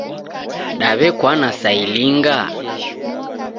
Daw'ekwana sa ilinga?